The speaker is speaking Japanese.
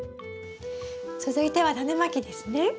続いてはタネまきですね。